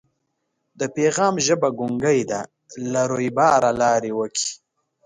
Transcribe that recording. د پیغام ژبه ګونګۍ ده له رویباره لاري ورکي